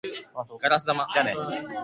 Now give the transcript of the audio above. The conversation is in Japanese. ガラス玉